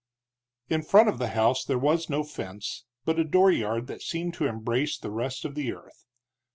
In front of the house there was no fence, but a dooryard that seemed to embrace the rest of the earth.